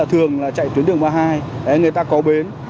thường là chạy tuyến đường ba mươi hai người ta có bến